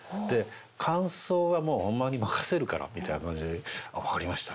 間奏はもう本間に任せるからみたいな感じで分かりました。